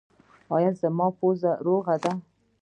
ایا زما پوزه روغه ده؟